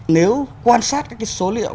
nếu quan sát cái số liệu